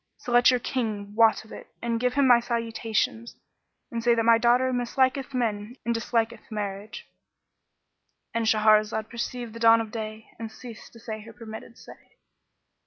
So let your King wot of it and give him my salutations and say that my daughter misliketh men and disliketh marriage."—And Shahrazad perceived the dawn of day and ceased to say her permitted say.